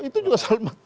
itu juga soal